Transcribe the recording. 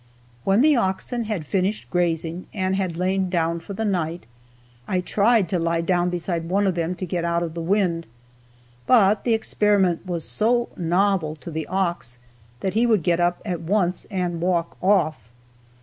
When the oxen had finished grazing and had lain down for the night, I tried to lie down beside one of them to get out of the wind, but the experiment was so novel to the ox that he would get up at once and walk off.